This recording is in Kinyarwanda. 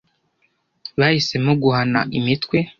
Bahisemo guhana imitwe.